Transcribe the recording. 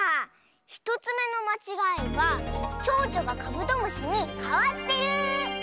１つめのまちがいはちょうちょがカブトムシにかわってる！